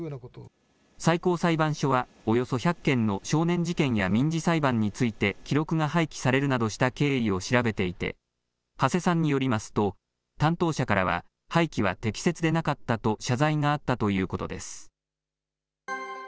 最高裁判所は、およそ１００件の少年事件や民事裁判について、記録が廃棄されるなどした経緯を調べていて、土師さんによりますと、担当者からは、廃棄は適切でなかったと謝罪があったということです。